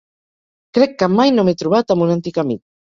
Crec que mai no m'he trobat amb un antic amic.